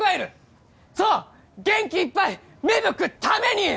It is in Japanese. そう元気いっぱい芽吹くために！